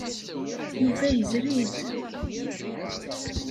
Yuba yezri-d.